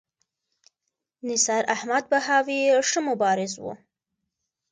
نثار احمد بهاوي ښه مبارز و.